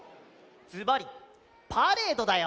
ずばりパレードだよ！